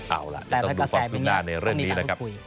เอาล่ะต้องดูความคืบหน้าในเรื่องนี้นะครับ